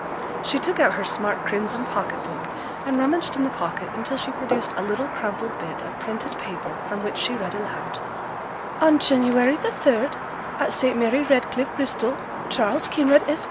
She took out her smart crimson pocket book, and rummaged in the pocket until she produced a little crumpled bit of printed paper, from which she read aloud, 'On January the third, at St Mary Redcliffe, Bristol, Charles Kinraid, Esq.